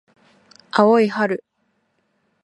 青い春